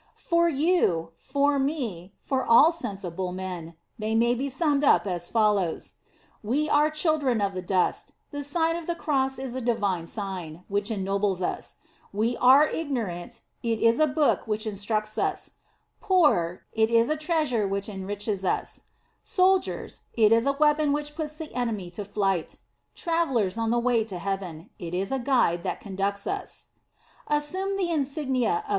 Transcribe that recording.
In the Nineteenth Century. 59 For you, for me, for all sensible men, they may be summed up as follows : We are children of the dust, the Sign of the Cross is a divine Sign, which ennobles us ; we are ignorant, it is a book which instructs us; poor, it is a treasure which enriches us ; soldiers, it is a weapon which puts the enemy to flight ; travellers on the way to heaven, it is a guide that conducts us. Assume the insignia of.